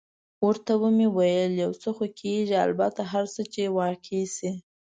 ورته مې وویل: یو څه خو کېږي، البته هر څه چې واقع شي.